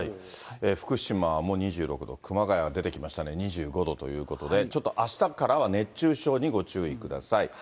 福島も２６度、熊谷は出てきましたね、２５度ということで、ちょっとあしたからは熱中症にご注意ください。